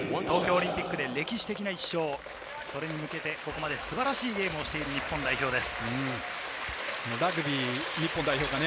東京オリンピックで歴史的な１勝、それに向けて、ここまで素晴らしいゲームをしている日本代表です。